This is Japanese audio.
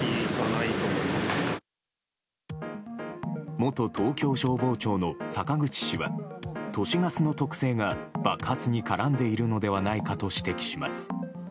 元東京消防庁の坂口氏は都市ガスの特性が爆発に絡んでいるのではないかと指摘します。